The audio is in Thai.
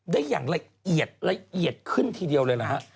ได้อย่างละเอียดละเอียดขึ้นทีเดียวเลยนะฮะ